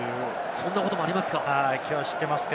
そんなこともありますか？